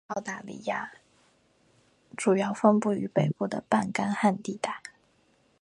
在澳大拉西亚主要分布于北部的半干旱地带。